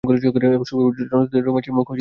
শুভবিবাহের জনশ্রুতিতে রমেশের মুখ শুকাইয়া গেল।